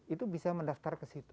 itu bisa mendaftar ke situ